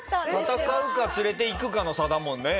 戦うか連れていくかの差だもんね。